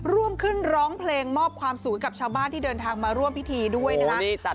ร่วมขึ้นร้องเพลงมอบความสุขกับชาวบ้านที่เดินทางมาร่วมพิธีด้วยนะคะ